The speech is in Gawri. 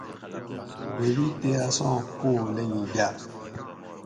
دھوبی تے اساں پو لنگی گاۤ